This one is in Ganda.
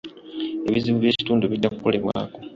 Ebizibu by'ekitundu bijja kukolebwako .